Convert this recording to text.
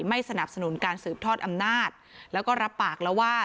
ไม่สนับสนุนการสืบทอดอำนาจแล้วก็รับปากแล้วว่า